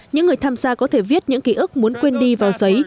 những người tham gia có thể viết những ký ức muốn quên đi vào giấy